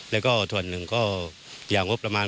และส่วนหนึ่งก็อย่างหวบประมาณ